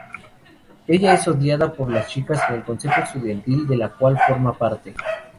Ella es odiada por las chicas en el consejo estudiantil, del cual forma parte.